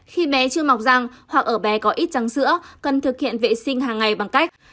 khi bé chưa mọc răng hoặc ở bé có ít trắng sữa cần thực hiện vệ sinh hàng ngày bằng cách